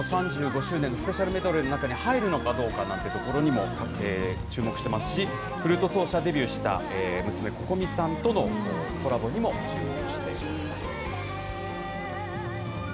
なので、当時のこの禁断のテレパシー、名曲なども、この３５周年スペシャルメドレーの中に入るのかどうかなんてところにも注目してますし、フルート奏者デビューした娘、Ｃｏｃｏｍｉさんとのコラボにも注目しております。